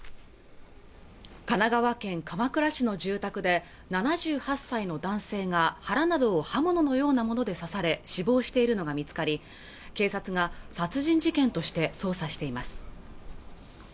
神奈川県鎌倉市の住宅で７８歳の男性が腹などを刃物のようなもので刺され死亡しているのが見つかり警察が殺人事件として捜査しています